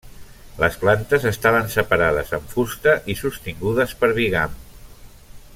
Les plantes estaven separades amb fusta i sostingudes per bigam.